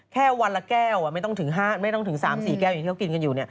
แค่วันละแก้วไม่ต้องถึง๓๔แก้วอย่างที่เขากินกันอยู่